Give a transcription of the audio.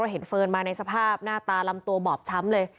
เห็นเฟิร์นมาในสภาพหน้าตาลำตัวบอบช้ำเลย